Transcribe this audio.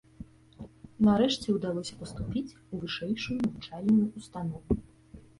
Нарэшце ўдалося паступіць у вышэйшую навучальную ўстанову.